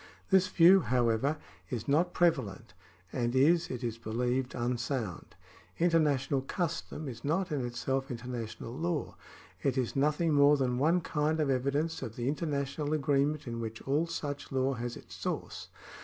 ^ This view, however, is not prevalent, and is, it is believed, unsound. International custom is not in itself international law ; it is nothing more than one kind of evidence of the international agreement in which all such law has its source.